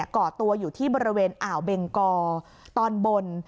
ก่อตัวอยู่ที่บริเวณอ่าวเบงกอตอนบน